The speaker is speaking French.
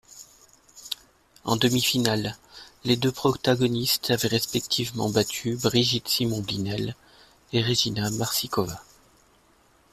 En demi-finale, les deux protagonistes avaient respectivement battu Brigitte Simon-Glinel et Regina Maršíková.